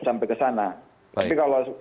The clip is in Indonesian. sampai ke sana tapi kalau